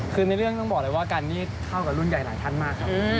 คือในเรื่องต้องบอกเลยว่ากันนี่เข้ากับรุ่นใหญ่หลายท่านมากครับ